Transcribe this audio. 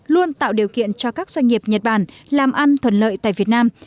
luôn tạo điều kiện cho các doanh nghiệp nhật bản làm ăn thuần lợi tại việt nam